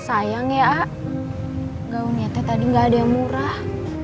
sayang yaa gaunya teh tadi gak ada yang murah